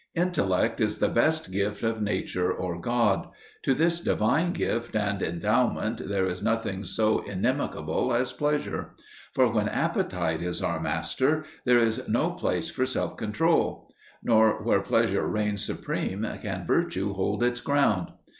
Intellect is the best gift of nature or God: to this divine gift and endowment there is nothing so inimical as pleasure. For when appetite is our master, there is no place for self control; nor where pleasure reigns supreme can virtue hold its ground.